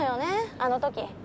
あの時。